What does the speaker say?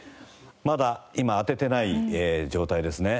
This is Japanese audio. まだ今当ててない状態ですね。